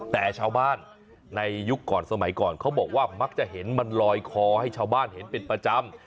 แต่ชาวบ้านในยุคก่อนสมัยก่อนเขาบอกว่ามักจะเห็นมันลอยคอให้ชาวบ้านเห็นเป็นประจำ